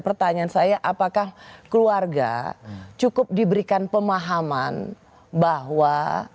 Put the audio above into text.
pertanyaan saya apakah keluarga cukup diberikan pemahaman bahwa